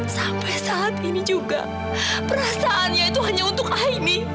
sampai saat ini juga perasaannya itu hanya untuk aimi